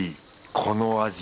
この味。